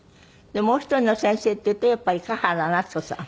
もう一人の先生っていうとやっぱり賀原夏子さん？